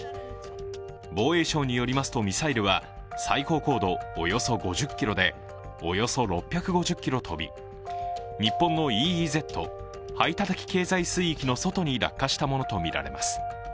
防衛省によりますと、ミサイルは最高高度およそ５０ｋｍでおよそ６５０ｋｍ飛び、日本のＥＥＺ＝排他的経済水域の外に落下したものとみられます。